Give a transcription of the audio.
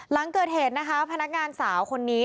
หลังเกิดเหตุนะคะพนักงานสาวคนนี้